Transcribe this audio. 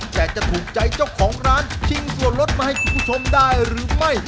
แต่จะถูกใจเจ้าของร้านชิงส่วนลดมาให้คุณผู้ชมได้หรือไม่